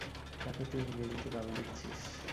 কাকে তুই ইংরেজিতে গাল দিচ্ছিস?